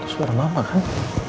suara mama kan